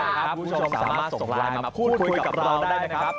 คุณผู้ชมสามารถส่งไลน์มาพูดคุยกับเราก็ได้นะครับ